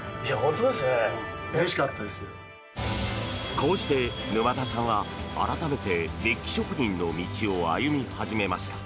こうして、沼田さんは改めてメッキ職人の道を歩み始めました。